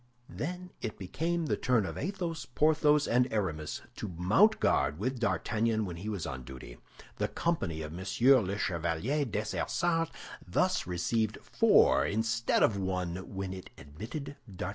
Then it became the turn of Athos, Porthos, and Aramis to mount guard with D'Artagnan when he was on duty. The company of M. le Chevalier Dessessart thus received four instead of one when it admitted D'Artagnan.